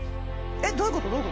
えっどういうこと？